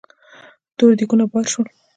تور دېګونه بار شول.